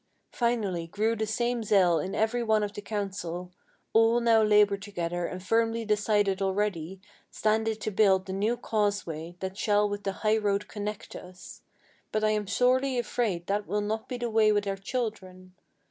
Finally grew the same zeal in every one of the council; All now labor together, and firmly decided already Stands it to build the new causeway that shall with the highroad connect us. But I am sorely afraid that will not be the way with our children.